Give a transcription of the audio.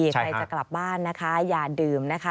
ใครจะกลับบ้านนะคะอย่าดื่มนะคะ